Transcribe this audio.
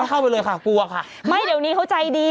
เข้าไปเลยค่ะกลัวค่ะไม่เดี๋ยวนี้เขาใจดี